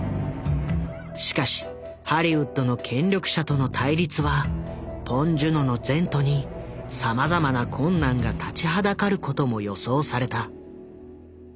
しかしハリウッドの権力者との対立はポン・ジュノの前途にさまざまな困難が立ちはだかることも予想された。